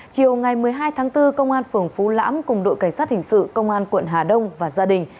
chiều ngày một mươi hai tháng bốn công an phường phú lãm cùng đội cảnh sát hình sự công an quận hà đông và gia đình